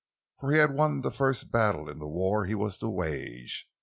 For he had won the first battle in the war he was to wage.